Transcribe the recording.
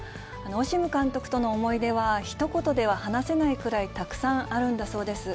オシム監督の思い出は、ひと言では話せないくらいたくさんあるんだそうです。